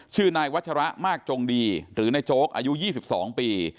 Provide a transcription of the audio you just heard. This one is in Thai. ชื่อนายวัชระมากจงดีหรือนายโจ๊กอายุ๒๒ปี